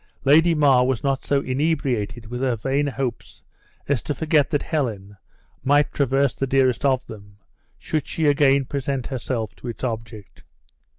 Lady Mar was not so inebriated with her vain hopes as to forget that Helen might traverse the dearest of them, should she again present herself to its object.